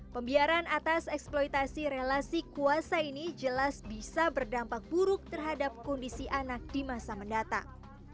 pembiaran atas eksploitasi relasi kuasa ini jelas bisa berdampak buruk terhadap kondisi anak di masa mendatang